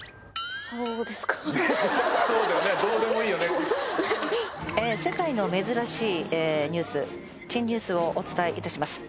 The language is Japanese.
そうだよねどうでもいいよねええ世界の珍しいニュース珍ニュースをお伝えいたします